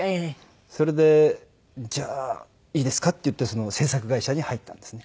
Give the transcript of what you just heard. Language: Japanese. それで「じゃあいいですか」って言ってその制作会社に入ったんですね。